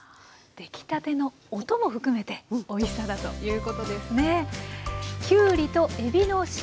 出来たての音も含めておいしさだということですね。